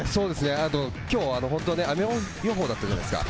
今日、雨予報だったじゃないですか。